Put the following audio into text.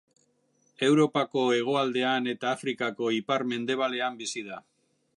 Europako hegoaldean eta Afrikako ipar-mendebalean bizi da.